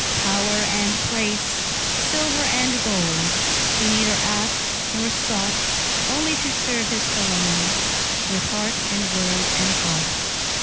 Power and place, silver and gold, He neither asked nor sought; Only to serve his fellowmen, With heart and word and thought.